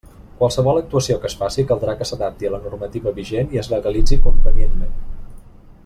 Qualsevol actuació que es faci caldrà que s'adapti a la normativa vigent i es legalitzi convenientment.